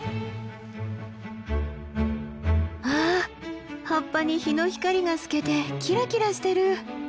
わあ葉っぱに日の光が透けてキラキラしてる！